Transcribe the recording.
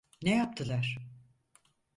Ne yaptılar?